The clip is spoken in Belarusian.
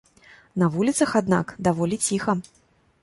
На вуліцах, аднак, даволі ціха.